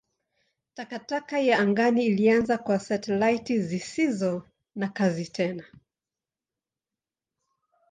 Takataka ya angani ilianza kwa satelaiti zisizo na kazi tena.